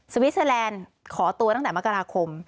วิสเตอร์แลนด์ขอตัวตั้งแต่มกราคม